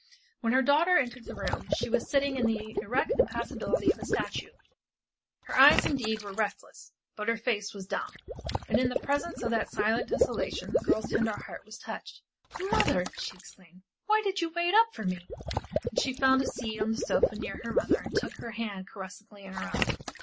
When her daughter entered the room she was sitting in the erect impassibility of a statue. Her eyes indeed were restless, but her face was dumb, and in the presence of that silent desolation, the girl's tender heart was touched. "Mother!" she exclaimed, "why did you wait up for me?" And she found a seat on the sofa near her mother and took her hand caressingly in her own.